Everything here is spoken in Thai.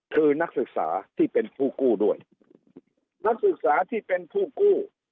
คือนักศึกษาที่เป็นผู้กู้ด้วยนักศึกษาที่เป็นผู้กู้